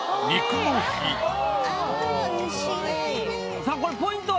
さあこれポイントは？